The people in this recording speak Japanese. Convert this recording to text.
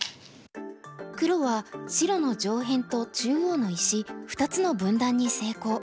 黒は白の上辺と中央の石２つの分断に成功。